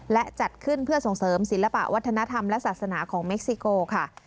และจัดขึ้นเพื่อส่งเสริมศิลปะวัฒนธรรมและศาสนาของเม็กซิโกค่ะ